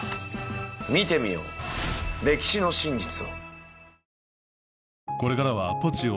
見てみよう歴史の真実を。